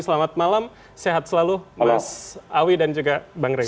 selamat malam sehat selalu mas awi dan juga bang rey